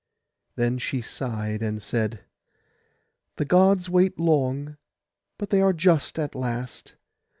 Then she sighed, and said, 'The Gods wait long; but they are just at last.